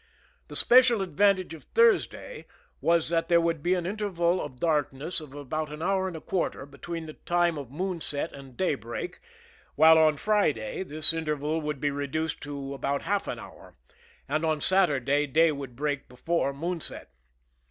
The special advantage of Thursday was that there would be an interval of darkness of about an hour and a quarter between the time of moonset and daybreak, while on Friday this interval would be reduced to about half an hour, and on Saturday day would break before moonset.